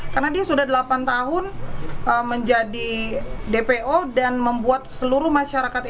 karena dia sudah delapan tahun menjadi dpo dan membuat seluruh masyarakat ini